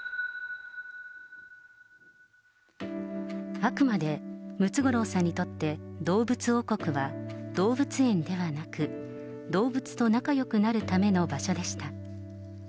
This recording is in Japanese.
あくまで、ムツゴロウさんにとって動物王国は、動物園ではなく、動物と仲よくなるための場所でした。